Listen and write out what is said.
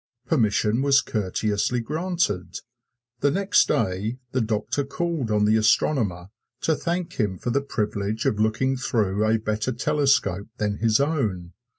Permission was courteously granted. The next day the doctor called on the astronomer to thank him for the privilege of looking through a better telescope than his own.